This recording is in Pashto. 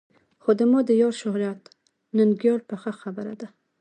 خو زما د یار شهرت ننګیال پخه خبره ده.